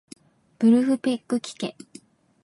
ブルフペックきけ